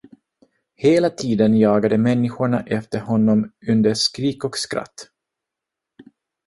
Hela tiden jagade människorna efter honom under skrik och skratt.